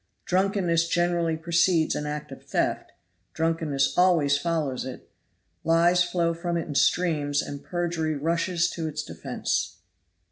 Drunkenness generally precedes an act of theft; drunkenness always follows it; lies flow from it in streams, and perjury rushes to its defense.